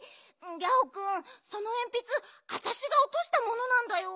ギャオくんそのえんぴつわたしがおとしたものなんだよ。